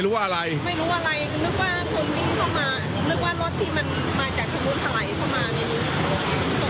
นึกว่ารถที่มันมาจากทางนู้นหลายเข้ามาแบบนี้